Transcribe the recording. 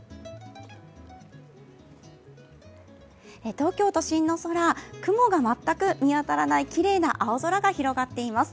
東京都心の空、雲が全く見当たらないきれいな青空が広がっています。